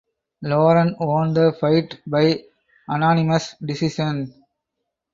Loren won the fight by unanimous decision.